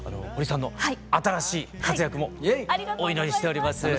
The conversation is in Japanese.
保里さんの新しい活躍もお祈りしております。